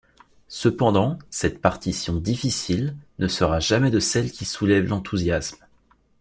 Cependant, cette partition difficile ne sera jamais de celles qui soulèvent l'enthousiasme.